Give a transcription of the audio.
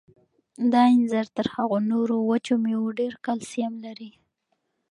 دا انځر تر هغو نورو وچو مېوو ډېر کلسیم لري.